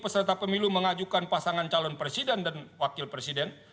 peserta pemilu mengajukan pasangan calon presiden dan wakil presiden